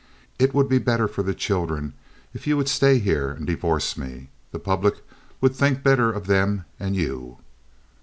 It would be better for the children if you would stay here and divorce me. The public would think better of them and you."